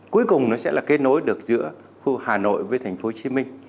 cuối cùng nó sẽ là kết nối được giữa khu hà nội với tp hcm